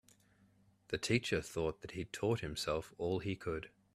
The teacher thought that he'd taught himself all he could.